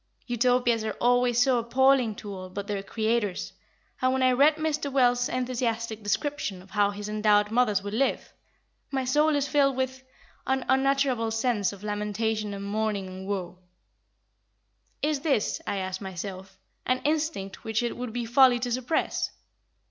Utopias are always so appalling to all but their creators, and when I read Mr. Wells' enthusiastic description of how his endowed mothers will live, my soul is filled with "an unutterable sense of lamentation and mourning and woe." Is this, I ask myself, an instinct which it would be folly to suppress?